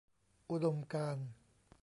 อุดมการณ์